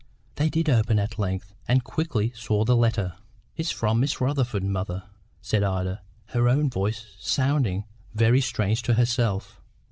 They did open at length, and quickly saw the letter. "It's from Miss Rutherford, mother," said Ida, her own voice sounding very strange to herself.